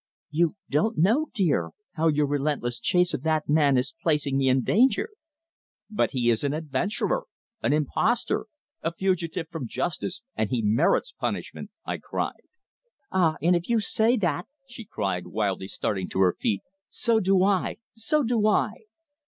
"You don't know, dear, how your relentless chase of that man is placing me in danger." "But he is an adventurer, an impostor a fugitive from justice, and he merits punishment!" I cried. "Ah! And if you say that," she cried, wildly starting to her feet. "So do I! So do I!"